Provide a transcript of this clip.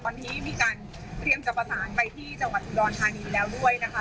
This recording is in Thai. ตอนนี้มีการเตรียมจะประสานไปที่จังหวัดอุดรธานีแล้วด้วยนะคะ